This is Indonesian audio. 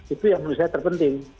itu yang menurut saya terpenting